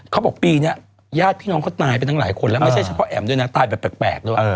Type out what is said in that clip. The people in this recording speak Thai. เขาบอกปีนี้ญาติพี่น้องเขาตายไปทั้งหลายคนแล้วไม่ใช่เฉพาะแอ๋มด้วยนะตายแบบแปลกด้วย